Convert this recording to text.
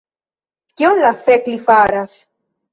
Kion la fek li faras?